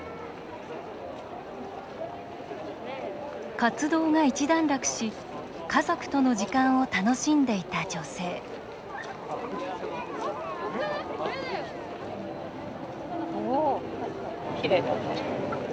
活動が一段落し、家族との時間を楽しんでいた女性きれいだね。